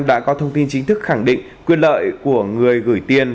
đã có thông tin chính thức khẳng định quyền lợi của người gửi tiền